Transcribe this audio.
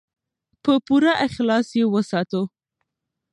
په پوره اخلاص یې وساتو.